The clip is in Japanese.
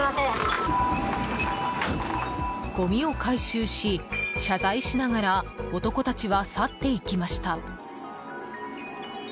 ごみを回収し、謝罪しながら男たちは去っていきました。